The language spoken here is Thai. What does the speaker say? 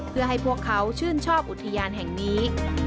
เพื่อให้พวกเขาชื่นชอบอุทยานแห่งนี้